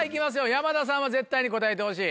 山田さんは絶対に答えてほしい。